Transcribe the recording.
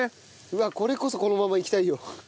うわこれこそこのままいきたいよ。